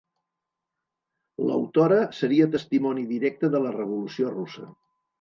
L'autora seria testimoni directe de la Revolució Russa.